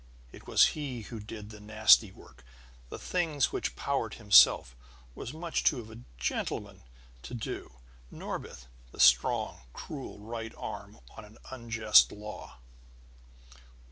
It was he who did the nasty work, the things which Powart himself was too much of a gentleman to do. Norbith the strong, cruel right arm on an unjust law!